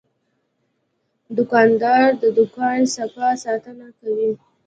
دوکاندار د دوکان صفا ساتنه کوي.